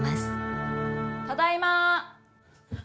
ただいま。